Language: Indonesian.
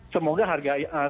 semoga terkait dengan itu